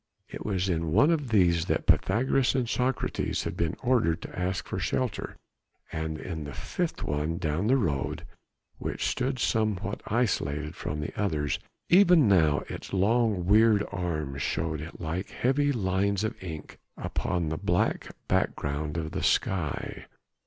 It was in one of these that Pythagoras and Socrates had been ordered to ask for shelter in the fifth one down the road, which stood somewhat isolated from the others; even now its long, weird arms showed like heavy lines of ink upon the black background of the sky.